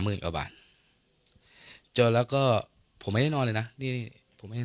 หมื่นกว่าบาทเจอแล้วก็ผมไม่ได้นอนเลยนะนี่นี่ผมไม่ได้